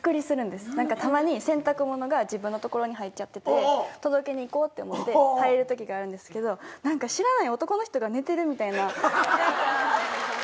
たまに洗濯物が自分のところに入っちゃってて届けにいこうって思って入るときがあるんですけど知らない男の人が寝てるみたいな何か。